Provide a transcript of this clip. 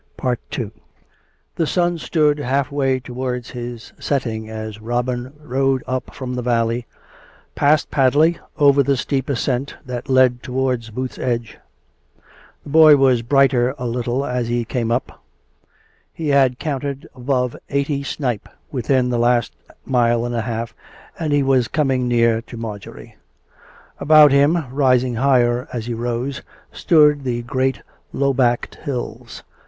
II The sun stood half way towards his setting as Robin rode up from the valley, past Padley, over the steep ascent that led towards Booth's Edge, The boy was brighter a little as he came up; he had counted above eighty snipe within the last mile and a half, and he was coming near to Marjorie. About him, rising higher as he rose, stood the great low backed hills.